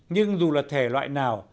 nhưng dù là thể loại nào